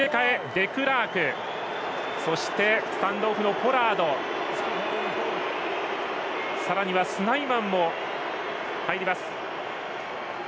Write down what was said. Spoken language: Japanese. デクラークそしてスタンドオフのポラードさらにはスナイマンも入ります。